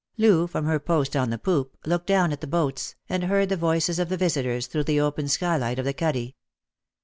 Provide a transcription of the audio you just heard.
Loo, from her post on the poop, looked down at the boats, and heard the voices of the visitors through the open skylight of the cuddy.